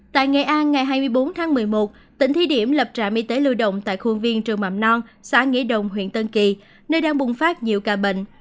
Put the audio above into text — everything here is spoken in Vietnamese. tại nghệ an ngày hai mươi bốn tháng một mươi một tỉnh thi điểm lập trạm y tế lưu động tại khuôn viên trường mầm non xã nghĩa đồng huyện tân kỳ nơi đang bùng phát nhiều ca bệnh